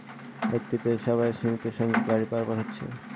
চালু রয়েছে এমন দুটি ঘাটের একটিতে আবার সীমিতসংখ্যক গাড়ি পারাপার হচ্ছে।